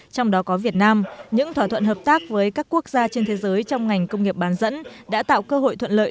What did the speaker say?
trong đó có việt nam những thỏa thuận hợp tác với các quốc gia trên thế giới trong ngành công nghiệp bán dẫn đã tạo cơ hội thuận lợi